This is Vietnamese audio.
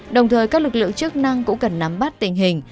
đồng thời các lực lượng chức năng cũng cần nắm bắt tình hình